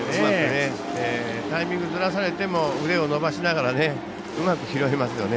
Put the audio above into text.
タイミングずらされても腕を伸ばしながらうまく拾いますよね。